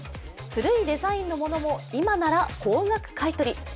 古いデザインのものも今なら高額買い取り。